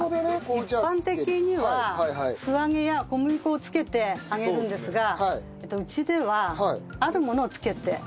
一般的には素揚げや小麦粉をつけて揚げるんですがうちではあるものをつけて。